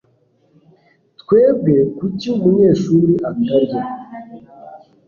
Twebwe kuki umunyeshuri atarya